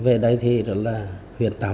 về đây thì huyền tạo được